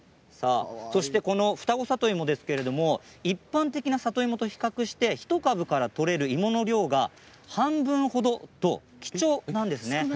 この、二子さといもですけれど一般的な里芋と比較して１株から取れる芋の量が半分程と貴重なんですね。